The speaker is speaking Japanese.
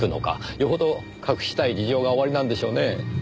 よほど隠したい事情がおありなんでしょうねぇ。